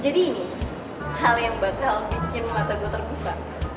jadi ini hal yang bakal bikin mata gue terbuka